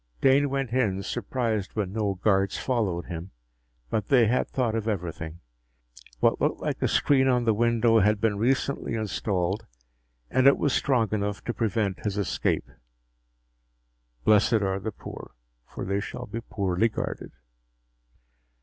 Dane went in, surprised when no guards followed him. But they had thought of everything. What looked like a screen on the window had been recently installed and it was strong enough to prevent his escape. Blessed are the poor, for they shall be poorly guarded!